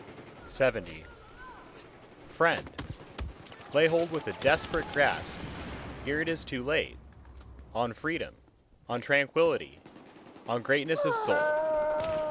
LXXI Friend, lay hold with a desperate grasp, ere it is too late, on Freedom, on Tranquility, on Greatness of soul!